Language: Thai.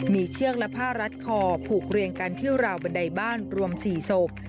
มีเชือกและผ้ารัดคอผูกเรียงกันที่ราวบันไดบ้านรวม๔ศพ